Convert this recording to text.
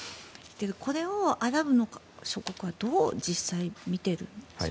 これをアラブの諸国はどう見ているんでしょうか。